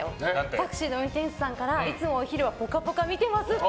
タクシーの運転手さんからいつもお昼は「ぽかぽか」見てますって。